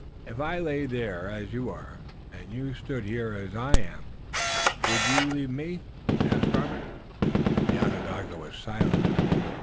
"If I lay there as you are, and you stood here as I am would you leave me?" asked Robert. The Onondaga was silent.